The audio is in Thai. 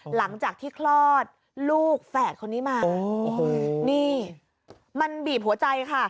หลังจากที่คลอดลูกแฝดคนนี้มานี่มันบีบหัวใจค่ะ